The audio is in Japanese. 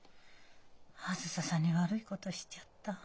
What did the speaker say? あづささんに悪いことしちゃった。